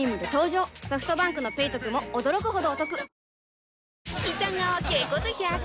ソフトバンクの「ペイトク」も驚くほどおトク